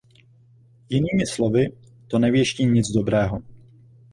Jinými slovy, to nevěstí nic dobrého.